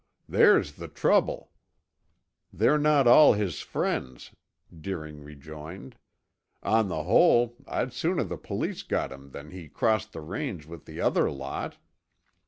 "There's the trouble; they're not all his friends," Deering rejoined. "On the whole, I'd sooner the police got him than he crossed the range with the other lot.